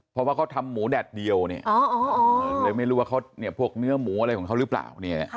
เพราะว่าเขาทำหมูแดดเดียวเนี่ยเลยไม่รู้ว่าพวกเนื้อหมูอะไรของเขาหรือเปล่า